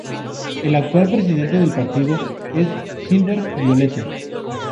El actual presidente del partido es Gilbert Violeta.